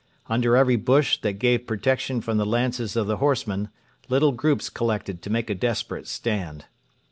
Under every bush that gave protection from the lances of the horsemen little groups collected to make a desperate stand.